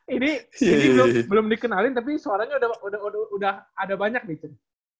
ini belum dikenalin tapi suaranya udah ada banyak nih tuh